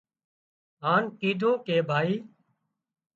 هانَ ڪيڌون ڪي ڀائي